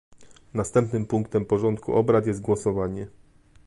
Następnym punktem porządku obrad jest głosowanie